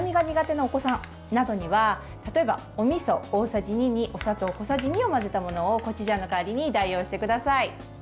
なお子さんなどには例えば、おみそ大さじ２にお砂糖小さじ２を混ぜたものをコチュジャンの代わりに代用してください。